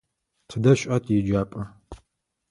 Тыдэ щыӏа тиеджапӏэ?